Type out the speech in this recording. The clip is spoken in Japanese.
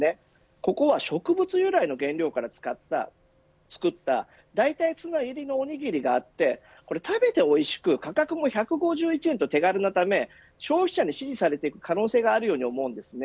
ここは植物由来の原料から作った代替ツナ入りのおにぎりがあって食べておいしく価格も１５１円と手軽なため消費者に支持されていく可能性があるように思います。